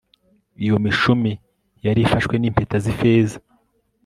iyo mishumi yari ifashwe n impeta z ifeza